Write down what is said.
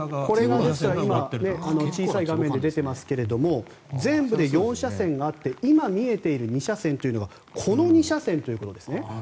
今、小さい画面で出ていますが全部で４車線あって今、見えている２車線はこの２車線ということですね。